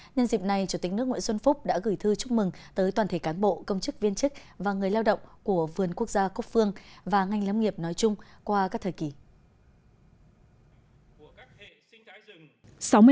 nhân dịp này chủ tịch nước nguyễn xuân phúc đã gửi thư chúc mừng tới toàn thể cán bộ công chức viên chức và người lao động của vườn quốc gia cúc phương và ngành lãm nghiệp nói chung qua các thời kỳ